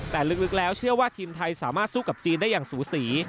แต่ลึกแล้วเชื่อว่าทีมไทยสามารถสู้กับจีนได้อย่างสูสี